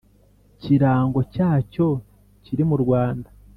kirango cyacyo kiri murwanda